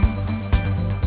pembelajaran dari pemasoknya